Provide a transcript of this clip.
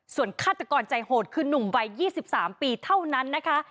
ส่วนฆาตกรใจโหดคือนุ่มวัย๒๓ปีเท่านั้นนะคะ